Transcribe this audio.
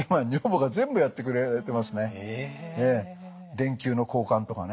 電球の交換とかね。